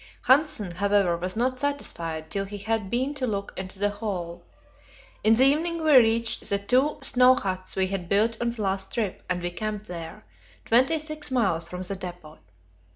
Hanssen, however, was not satisfied till he had been to look into the hole. In the evening we reached the two snow huts we had built on the last trip, and we camped there, twenty six miles from the depot.